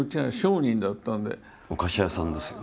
お菓子屋さんですよね。